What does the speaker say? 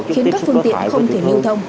khiến các phương tiện không thể nhu thông